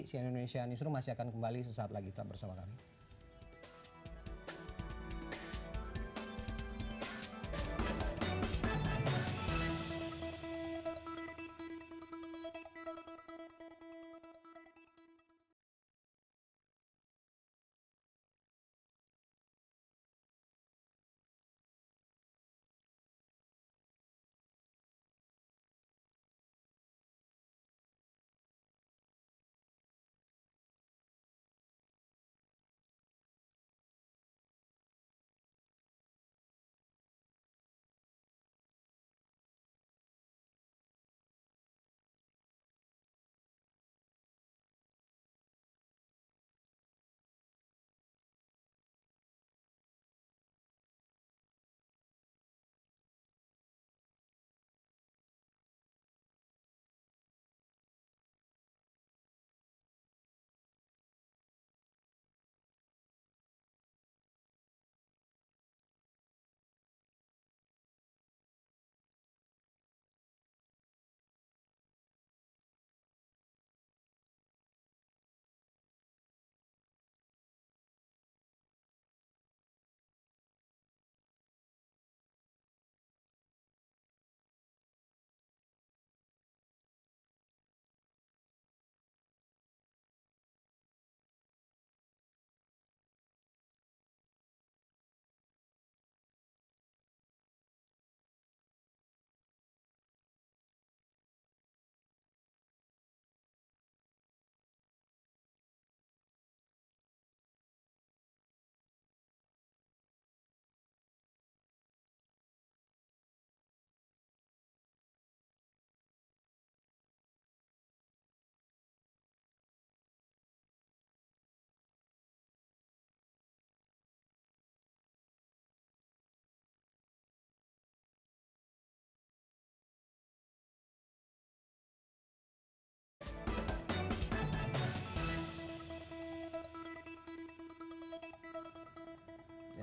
sian indonesia newsroom masih akan kembali sesaat lagi bersama kami